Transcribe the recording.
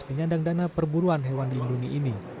penyandang dana perburuan hewan dilindungi ini